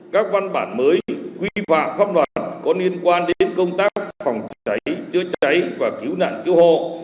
các văn bản mới quy phạm pháp luật có liên quan đến công tác phòng cháy chữa cháy và cứu nạn cứu hộ